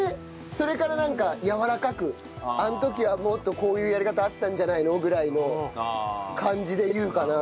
それからなんか柔らかくあの時はもっとこういうやり方あったんじゃないの？ぐらいの感じで言うかな。